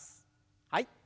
はい。